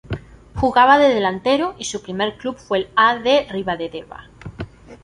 Jugaba de delantero y su primer club fue el A. D. Ribadedeva.